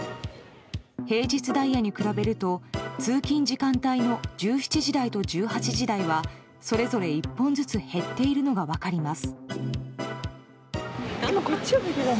平日ダイヤに比べると通勤時間帯の１７時台と１８時台はそれぞれ１本ずつ減っているのが分かります。